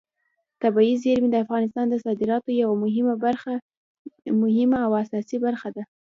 طبیعي زیرمې د افغانستان د صادراتو یوه ډېره مهمه او اساسي برخه ده.